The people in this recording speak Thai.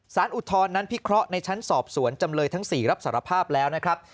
อุทธรณ์นั้นพิเคราะห์ในชั้นสอบสวนจำเลยทั้ง๔รับสารภาพแล้วนะครับ